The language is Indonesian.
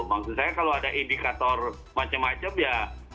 maksud saya kalau ada indikator macam macam ya